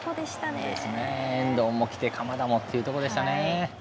遠藤も来て鎌田もっていうところでしたね。